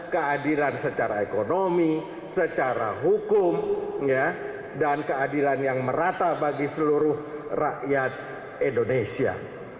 keadilan secara ekonomi secara hukum dan keadilan yang merata bagi seluruh rakyat indonesia